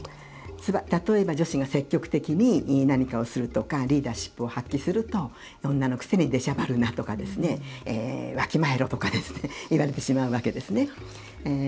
例えば、女子が積極的に何かをするとかリーダーシップを発揮すると女のくせにでしゃばるなとかわきまえろとか言われてしまうわけですね。